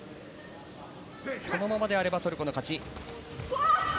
このままであればトルコの勝ち。